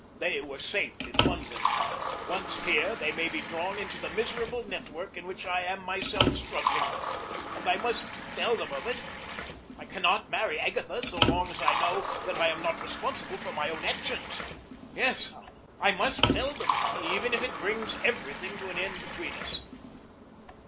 They were safe in London. Once here they may be drawn into the miserable network in which I am myself struggling. And I must tell them of it. I cannot marry Agatha so long as I know that I am not responsible for my own actions. Yes, I must tell them, even if it brings every thing to an end between us.